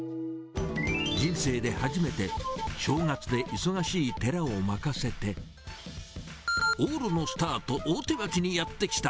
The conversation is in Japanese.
人生で初めて正月で忙しい寺を任せて、往路のスタート、大手町にやって来た。